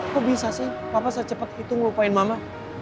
kok bisa sih papa secepet itu ngelupain mama